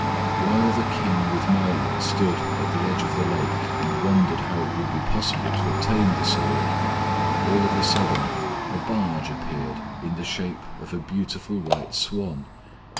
While the King with Merlin stood at the edge of the lake and wondered how it would be possible to obtain the sword, all of a sudden a barge appeared in the shape of a beautiful white swan.